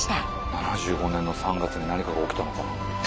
７５年の３月に何かが起きたのか。